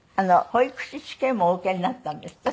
保育士試験もお受けになったんですって？